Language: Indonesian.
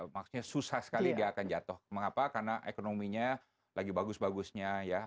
maksudnya susah sekali dia akan jatuh mengapa karena ekonominya lagi bagus bagusnya ya